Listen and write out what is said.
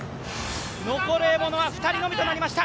残る獲物は２人のみとなりました。